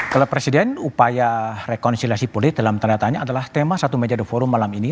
kalau presiden upaya rekonsiliasi politik dalam tanda tanya adalah tema satu meja the forum malam ini